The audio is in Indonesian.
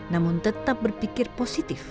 namun tetap berpikir positif